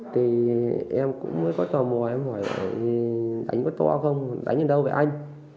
thì em cũng mới có tò mò em hỏi đánh có to không đánh ở đâu với anh